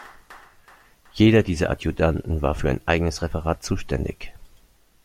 Jeder dieser Adjutanten war für ein eigenes Referat zuständig.